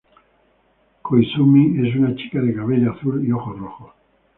Koizumi es una chica de cabello azul y ojos rojos.